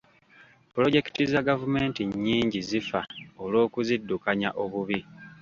Pulojekiti za gavumenti nnyingi zifa olw'okuziddukanya obubi.